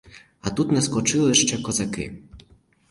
А тут наскочили ще козаки!